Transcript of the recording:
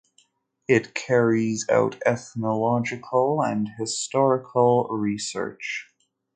It carries out ethnological and historical research.